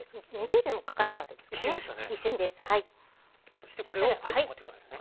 そしてこれを持っていくんですね。